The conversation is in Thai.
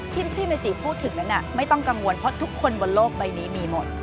ที่พี่เมจิพูดถึงนั้นไม่ต้องกังวลเพราะทุกคนบนโลกใบนี้มีหมด